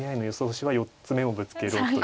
手は４つ目をぶつけろという。